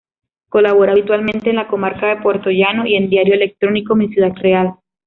Colabora habitualmente en "La Comarca de Puertollano" y en diario electrónico "Mi Ciudad Real".